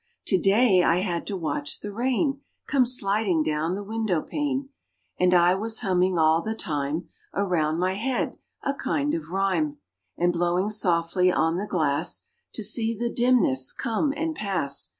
To day I had to watch the rain Come sliding down the window pane. And I was humming, all the time, Around my head, a kind of rhyme, And blowing softly on the glass, To see the dimness come and pass.